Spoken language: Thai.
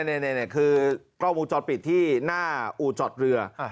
นี่คือกล้องวงจรปิดที่หน้าอู่จอดเรือ